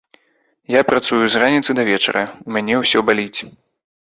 Я працую з раніцы да вечара, у мяне ўсё баліць.